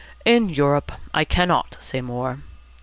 "In Europe. I cannot say more."